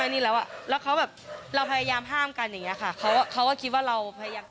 อันนี้ผมก็ไม่มั่นใจนะ